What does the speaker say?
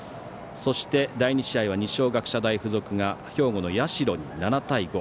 そして、第２試合は二松学舎大付属が兵庫の社に７対５。